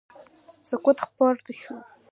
سکوت خپور شو.